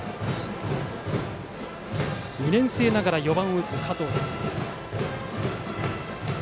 ２年生ながら４番を打つ加藤です。